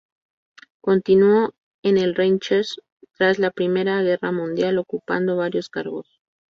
Continuó en el Reichswehr tras la Primera Guerra Mundial, ocupando varios cargos.